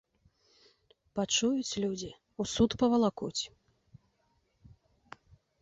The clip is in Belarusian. Пачуюць людзі, у суд павалакуць!